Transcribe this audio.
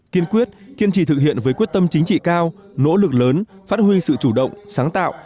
kiên quyết kiên trì thực hiện với quyết tâm chính trị cao nỗ lực lớn phát huy sự chủ động sáng tạo